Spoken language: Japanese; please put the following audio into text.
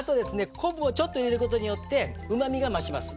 昆布をちょっと入れることによってうまみが増します。